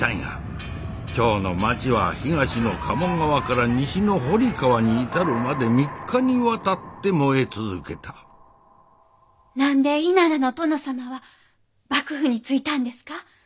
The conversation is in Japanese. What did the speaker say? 京の町は東の鴨川から西の堀川に至るまで３日にわたって燃え続けた何で稲田の殿様は幕府についたんですか？